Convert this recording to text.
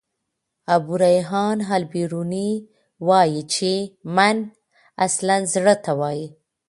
ابو ریحان البروني وايي چي: "من" اصلاً زړه ته وايي.